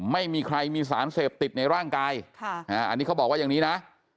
ไม่มีใครมีสารเสพติดในร่างกายอันนี้เขาบอกว่าอย่างนี้นะ